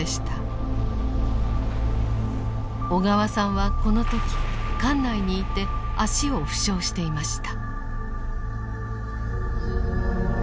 小川さんはこの時艦内にいて足を負傷していました。